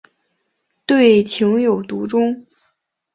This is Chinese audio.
对情有独钟。